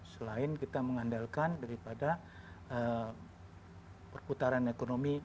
selain kita mengandalkan daripada perputaran ekonomi